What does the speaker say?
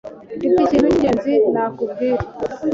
Mfite ikintu cyingenzi nakubwira.